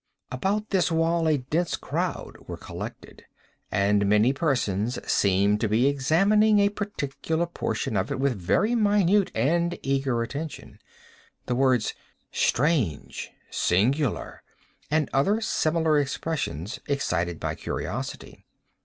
About this wall a dense crowd were collected, and many persons seemed to be examining a particular portion of it with very minute and eager attention. The words "strange!" "singular!" and other similar expressions, excited my curiosity.